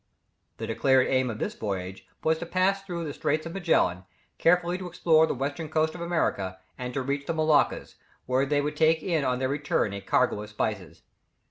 The declared aim of this voyage was to pass through the Strait of Magellan, carefully to explore the western coast of America, and to reach the Moluccas, where they would take in on their return a cargo of spices.